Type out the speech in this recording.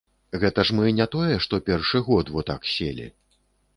Гэта ж мы не тое што першы год во так селі.